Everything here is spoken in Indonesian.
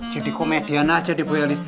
jadi komedian aja di bu elis